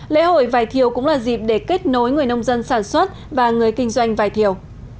lễ hội vài thiều cũng là dịp để kết nối người nông dân sản xuất và người kinh doanh vải thiều